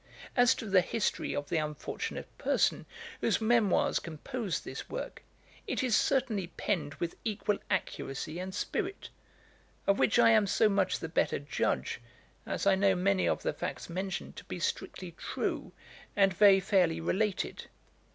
As to the history of the unfortunate person, whose memoirs compose this work, it is certainly penned with equal accuracy and spirit, of which I am so much the better judge, as I know many of the facts mentioned to be strictly true, and very fairly related.